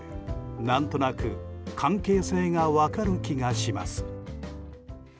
何となく関係性が分かる気がします。